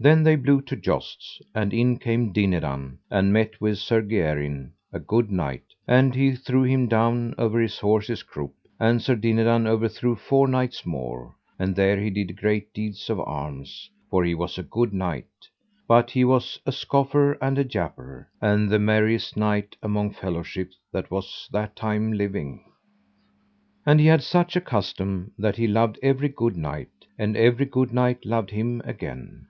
Then they blew to jousts; and in came Dinadan, and met with Sir Gerin, a good knight, and he threw him down over his horse's croup; and Sir Dinadan overthrew four knights more; and there he did great deeds of arms, for he was a good knight, but he was a scoffer and a japer, and the merriest knight among fellowship that was that time living. And he had such a custom that he loved every good knight, and every good knight loved him again.